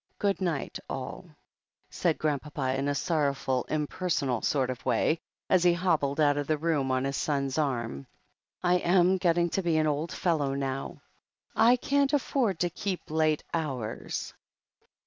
"Good night all/' said Grandpapa in a sorrowful, impersonal sort of way, as he hobbled out of the room on his son's arm. "I am getting to be an old fellow now — I can't afford to keep late hours.